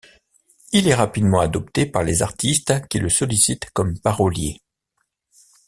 Il est rapidement adopté par les artistes qui le sollicite comme parolier.